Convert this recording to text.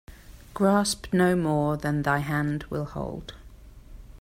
Grasp no more than thy hand will hold.